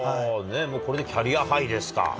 これでキャリアハイですか。